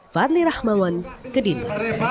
fadli rahmawan kediri